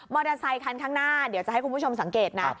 อเตอร์ไซคันข้างหน้าเดี๋ยวจะให้คุณผู้ชมสังเกตนะ